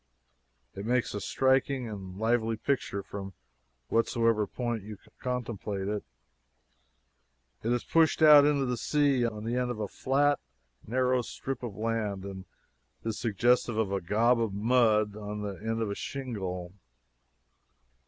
It makes a striking and lively picture from whatsoever point you contemplate it. It is pushed out into the sea on the end of a flat, narrow strip of land, and is suggestive of a "gob" of mud on the end of a shingle.